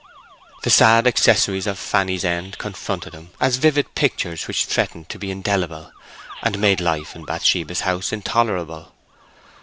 The sad accessories of Fanny's end confronted him as vivid pictures which threatened to be indelible, and made life in Bathsheba's house intolerable.